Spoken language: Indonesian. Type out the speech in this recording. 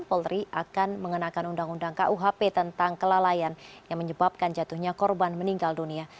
polri akan mengenakan undang undang kuhp tentang kelalaian yang menyebabkan jatuhnya korban meninggal dunia